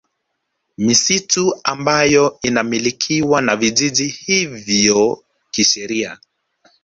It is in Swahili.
Misitu ambayo inamilikiwa na vijiji hivyo kisheria